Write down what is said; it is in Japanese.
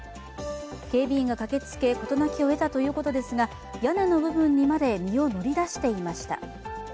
警備員が駆けつけ事なきを得たということですが屋根の部分にまで身を乗り出していました。